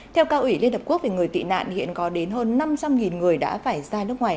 theo cao ủy liên hợp quốc về người tị nạn hiện có đến hơn năm trăm linh người đã phải ra nước ngoài